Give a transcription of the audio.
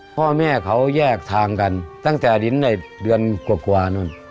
พ่อแม่เขาแยกทางกันตั้งแต่ลิ้นได้เดือนกว่านู่น